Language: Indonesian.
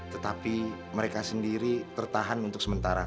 tetapi mereka sendiri tertahan untuk sementara